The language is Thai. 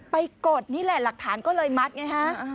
กดนี่แหละหลักฐานก็เลยมัดไงฮะ